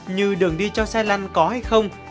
như đường đi cho xe lăn có hay không